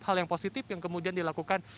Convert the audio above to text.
hal yang positif yang kemudian dilakukan